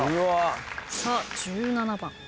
さあ１７番。